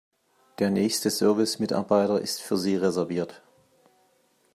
Der nächste Service-Mitarbeiter ist für Sie reserviert.